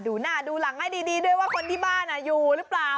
ดูหน้าดูหลังให้ดีด้วยว่าคนที่บ้านอยู่หรือเปล่า